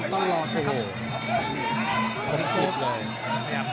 ต้องออกครับอาวุธต้องขยันด้วย